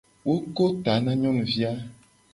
Wo ko ta na nyonuvi a.